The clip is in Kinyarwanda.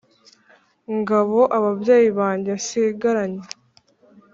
ngabo ababyeyi bange nsigaranye